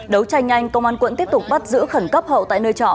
đấu tranh nhanh công an quận tiếp tục bắt giữ khẩn cấp hậu tại nơi trọ